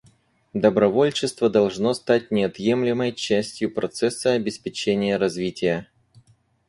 Добровольчество должно стать неотъемлемой частью процесса обеспечения развития.